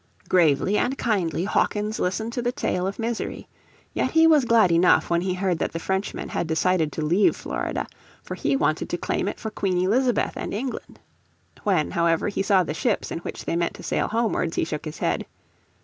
Gravely and kindly Hawkins listened to the tale of misery, yet he was glad enough when he heard that the Frenchmen had decided to leave Florida, for he wanted to claim it for Queen Elizabeth and England. When, however, he saw the ships in which they meant to sail homewards he shook his head.